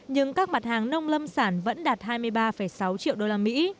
nhưng các mặt hàng nông lâm sản vẫn đạt hai mươi ba sáu triệu đô la mỹ